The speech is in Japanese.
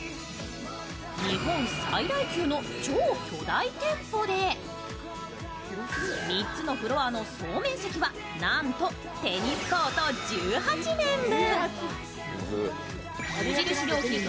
日本最大級の超巨大店舗で３つのフロアの総面積はなんとテニスコート１８面分。